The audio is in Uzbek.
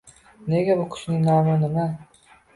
Nega? Bu kuchning nomi nima?”